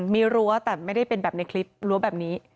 มีรั้วแต่ไม่ได้เป็นแบบในคลิปรั้วแบบนี้